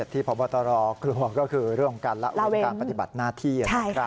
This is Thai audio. ๑๕๗ที่พระบัตรรอกลัวก็คือเรื่องการละเอาในการปฏิบัติหน้าที่